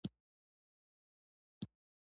ژبه په لوست قوي کېږي.